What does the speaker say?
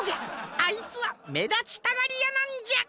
あいつはめだちたがりやなんじゃ。